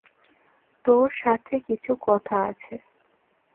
তোর সাথে কিছু কথা আছে।